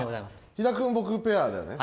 肥田君僕ペアだよね。